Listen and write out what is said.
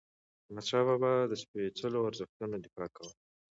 احمدشاه بابا د سپيڅلو ارزښتونو دفاع کوله.